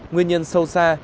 nguyên nhân sâu xa